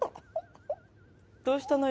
どうしたの？